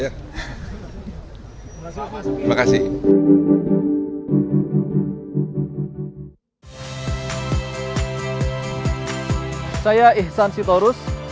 tempatnya di ya besok aja lihat lah